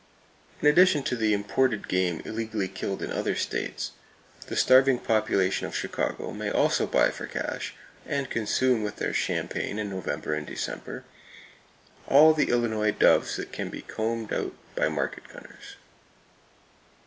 In addition to the imported game illegally killed in other states, the starving population of Chicago may also buy for cash, and consume with their champagne in November and December, all the Illinois doves that can be combed out by the market gunners.